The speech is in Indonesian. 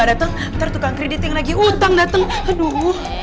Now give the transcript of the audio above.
ada teman teman kredit yang lagi utang datang aduh